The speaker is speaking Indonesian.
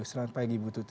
selamat pagi bu tuti